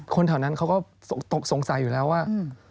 คนแถวนั้นเขาก็ตกสงสัยอยู่แล้วว่า